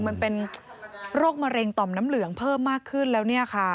มันเป็นโรคมะเร็งต่อมน้ำเหลืองเพิ่มมากขึ้นแล้วเนี่ยค่ะ